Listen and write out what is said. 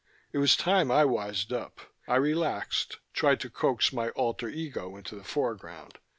It was time I wised up. I relaxed, tried to coax my alter ego into the foreground.